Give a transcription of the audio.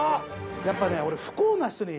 やっぱね俺。